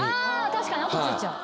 確かに痕ついちゃう。